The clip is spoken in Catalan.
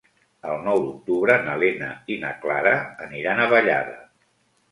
El nou d'octubre na Lena i na Clara aniran a Vallada.